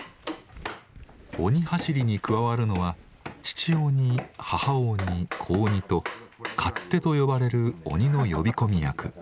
鬼はしりに加わるのは父鬼・母鬼・子鬼と火天と呼ばれる鬼の呼び込み役。